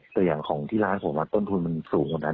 แต่อย่างของที่ร้านผมต้นทุนมันสูงกว่านั้น